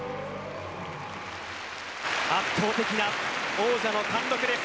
圧倒的な王者の貫禄です。